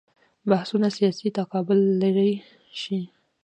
بحثونه سیاسي تقابل لرې شي.